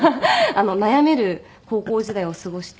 悩める高校時代を過ごして。